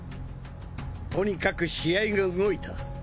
とにかく試合が動いた。